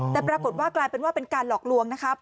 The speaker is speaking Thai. แต่ปรากฏว่ากลายเป็นว่าเป็นการหลอกลวงนะครับ